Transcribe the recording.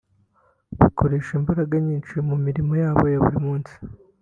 bakoresha imbaraga nyinshi mu mirimo yabo ya buri munsi